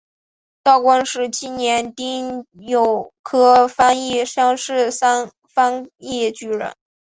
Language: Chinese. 道光十七年丁酉科翻译乡试翻译举人。